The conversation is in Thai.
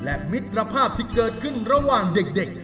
และมิตรภาพที่เกิดขึ้นระหว่างเด็ก